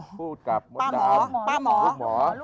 พูดกับมดรามลูกหมอ